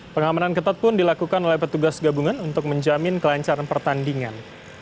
pengamanan ketat pun dilakukan oleh petugas gabungan untuk menjamin kelancaran pertandingan